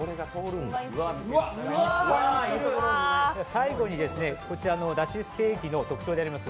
最後に、こちらの出汁ステーキの特徴であります